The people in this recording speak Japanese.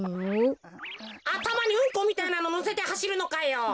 あたまにうんこみたいなののせてはしるのかよ。